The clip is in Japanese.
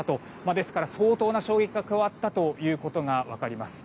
ですから、相当な衝撃が加わったことが分かります。